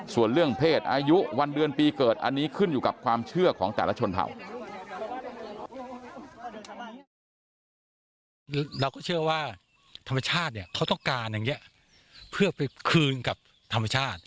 ส่วนเรื่องเพศอายุวันเดือนปีเกิดอันนี้ขึ้นอยู่กับความเชื่อของแต่ละชนเผ่า